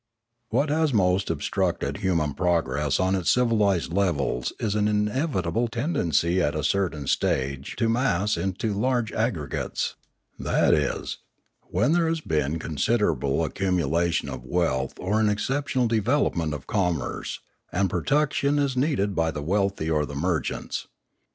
534 Limanora What has most obstructed human progress on its civilised levels is an inevitable tendency at a certain stage to mass into large aggregates; that is, when there has been considerable accumulation of wealth or an ex ceptional development of commerce, and protection is needed by the wealthy or the merchants.